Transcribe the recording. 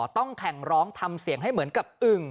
ต้องแข่งร้องทำเสียงให้เหมือนกับอึ่ง